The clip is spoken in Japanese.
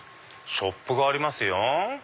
ショップがありますよ。